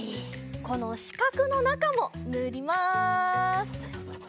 このしかくのなかもぬります！